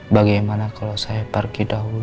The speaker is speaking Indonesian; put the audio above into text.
bagaimana kalau saya pergi dahulu